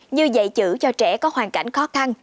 như dạy chữ cho trẻ có hoàn cảnh khó khăn